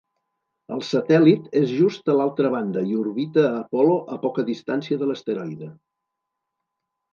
El satèl·lit és just a l'altra banda i orbita Apol·lo a poca distància de l'asteroide.